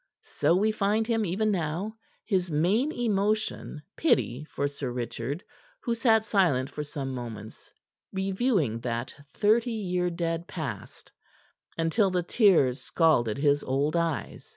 So we find him even now, his main emotion pity for Sir Richard, who sat silent for some moments, reviewing that thirty year dead past, until the tears scalded his old eyes.